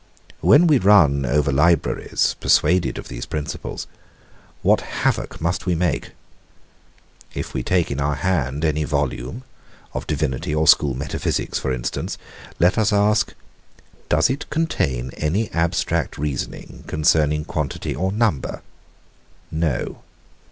When we run over libraries, persuaded of these principles, what havoc must we make? If we take in our hand any volume; of divinity or school metaphysics, for instance; let us ask, Does it contain any abstract reasoning concerning quantity or number? No.